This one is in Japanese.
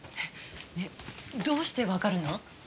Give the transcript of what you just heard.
ねえどうしてわかるの？